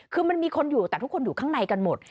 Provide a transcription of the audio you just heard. คือมันมีคนอยู่แต่ทุกคนอยู่ข้างในกันหมด